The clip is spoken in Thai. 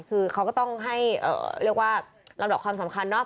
คือเขาก็ต้องให้เรียกว่าลำดับความสำคัญเนาะ